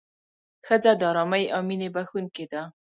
ښځه د ارامۍ او مینې بښونکې ده.